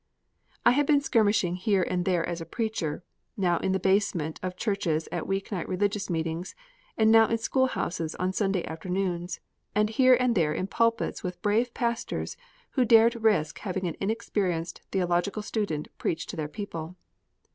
I had been skirmishing here and there as a preacher, now in the basement of churches at week night religious meetings, and now in school houses on Sunday afternoons, and here and there in pulpits with brave pastors who dared risk having an inexperienced theological student preach to their people.